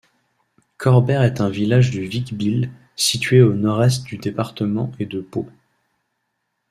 Corbères est un village du Vic-Bilh, situé au nord-est du département et de Pau.